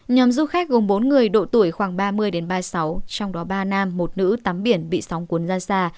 nhóm du khách gồm bốn người độ tuổi khoảng ba mươi đến ba mươi sáu trong đó ba nam một nữ tắm biển bị sóng cuốn ra xa